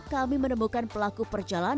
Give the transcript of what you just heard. kami menemukan pelaku perjalanan